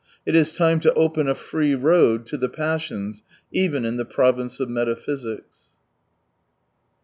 It is, time to open a free road to the passions even in the province of metaphysics.